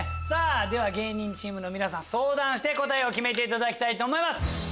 芸人チームの皆さん相談して決めていただきたいと思います。